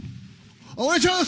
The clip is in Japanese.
あっ、お願いします！